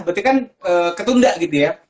berarti kan ketunda gitu ya